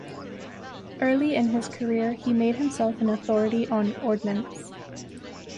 Early in his career he made himself an authority on ordnance.